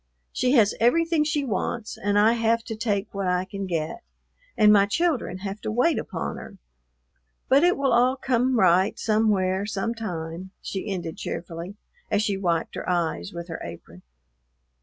She has everything she wants, and I have to take what I can get, and my children have to wait upon her. But it will all come right somewhere, sometime," she ended cheerfully, as she wiped her eyes with her apron.